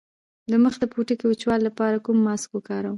د مخ د پوستکي د وچوالي لپاره کوم ماسک وکاروم؟